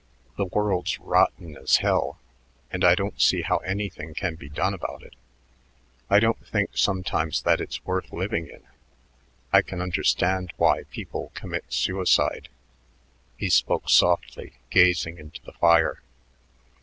The world's rotten as hell, and I don't see how anything can be done about it. I don't think sometimes that it's worth living in. I can understand why people commit suicide." He spoke softly, gazing into the fire.